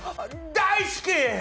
大好きぃ。